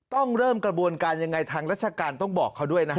ต้องเริ่มกระบวนการยังไงทางราชการต้องบอกเขาด้วยนะฮะ